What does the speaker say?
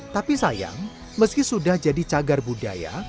tapi sayang meski sudah jadi cagar budaya